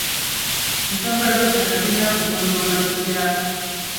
Ensonga z'ettaka zirina kugonjoolwa zitya?